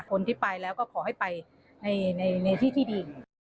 คนที่ไปแล้วก็ขอให้ไปในที่ที่ดี